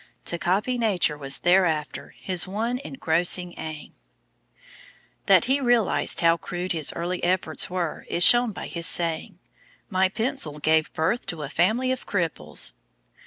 To copy Nature was thereafter his one engrossing aim. That he realised how crude his early efforts were is shown by his saying: "My pencil gave birth to a family of cripples."